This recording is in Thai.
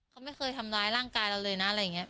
เขาไม่เคยทำร้ายร่างกายเราเลยนะอะไรอย่างนี้